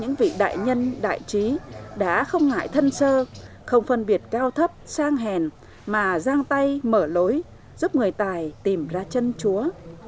những vị đại nhân đại trí đã không ngại thân sơ không phân biệt cao thấp sang hèn mà giang tay mở lối giúp người tài tìm ra chân chúa